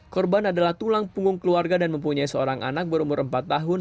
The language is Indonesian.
korban adalah tulang punggung keluarga dan mempunyai seorang anak berumur empat tahun